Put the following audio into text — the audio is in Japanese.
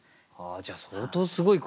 じゃあ相当すごい句。